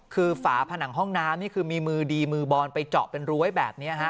คือฝาผนังห้องน้ำนี่คือมีมือดีมือบอลไปเจาะเป็นรั้วแบบนี้ฮะ